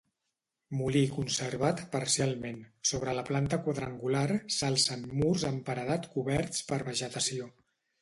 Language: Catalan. Molí conservat parcialment, sobre la planta quadrangular s'alcen murs en paredat coberts per vegetació.